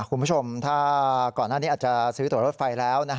คุณผู้ชมถ้าก่อนหน้านี้อาจจะซื้อตัวรถไฟแล้ว